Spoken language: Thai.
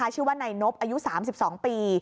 ชื่อว่านายนบอายุ๓๒ปี